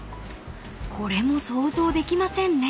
［これも想像できませんね］